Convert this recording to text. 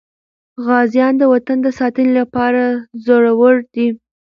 غازیان د وطن د ساتنې لپاره زړور دي.